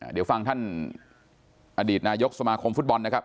เดี๋ยวฟังท่านอดีตนายกสมาคมฟุตบอลนะครับ